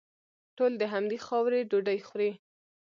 ټول د همدې خاورې ډوډۍ خوري.